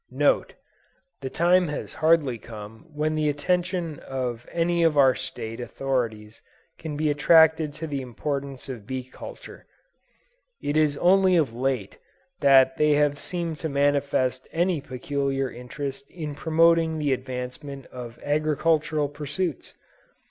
NOTE. The time has hardly come when the attention of any of our State authorities can be attracted to the importance of bee culture. It is only of late that they have seemed to manifest any peculiar interest in promoting the advancement of agricultural pursuits.